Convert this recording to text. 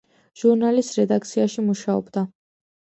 ჟურნალის რედაქციაში მუშაობდა.